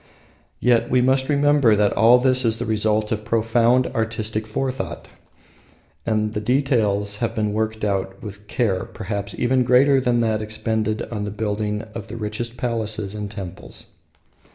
Yet we must remember that all this is the result of profound artistic forethought, and that the details have been worked out with care perhaps even greater than that expended on the building of the richest palaces and temples.